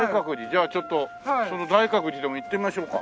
じゃあちょっとその大覚寺でも行ってみましょうか。